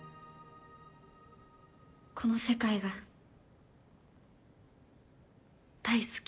この世界が大好き。